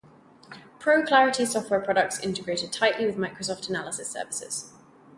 ProClarity's software products integrated tightly with Microsoft Analysis Services.